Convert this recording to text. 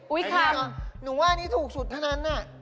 อุ๊ยค่ะนี้มันอ่ะหนูว่าอันนี้ถูกสุดเท่านั้นอ่ะ